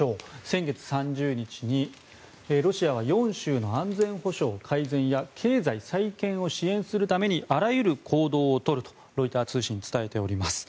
先月３０日にロシアは４州の安全保障改善や経済再建を支援するためにあらゆる行動をとるとロイター通信に伝えております。